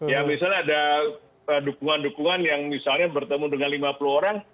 ya misalnya ada dukungan dukungan yang misalnya bertemu dengan lima puluh orang